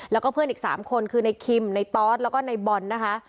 แล้วก็เพื่อนอีก๓คนคือในคิมในตอสแล้วก็ในบอลนะคะ